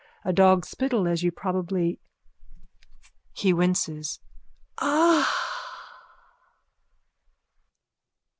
A dog's spittle as you probably... (He winces.) Ah!